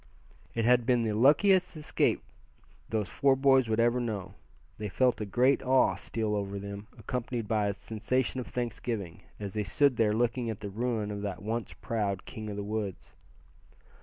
It had been the luckiest escape those four boys would ever know. They felt a great awe steal over them, accompanied by a sensation of thanksgiving, as they stood there looking at the ruin of that once proud king of the woods.